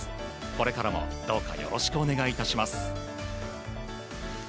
これからもどうかよろしくお願いいたします。